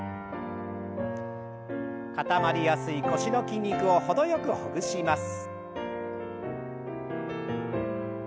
固まりやすい腰の筋肉を程よくほぐします。